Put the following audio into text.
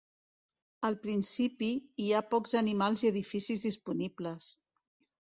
Al principi, hi ha pocs animals i edificis disponibles.